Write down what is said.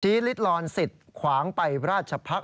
ทีฤทธิ์ริดรอนสิทธิ์ขวางไปราชพักษณ์